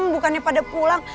bukannya pada pulang